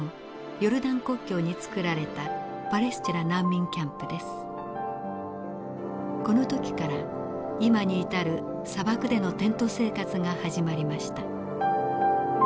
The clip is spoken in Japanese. ヨルダン国境に作られたこの時から今に至る砂漠でのテント生活が始まりました。